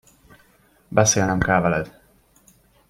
Beszélnem kell veled.